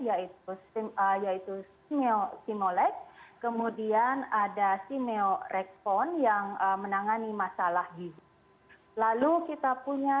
yaitu simoleks kemudian ada simeorekspon yang menangani masalah gizi lalu kita punya